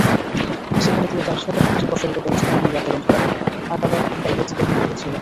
সেখানে তিনি তাঁর ছোট হাতটি প্রসারিত করেছিলেন এবং রাতের অন্ধকারে আকাবার বাইয়াত গ্রহণ করেছিলেন।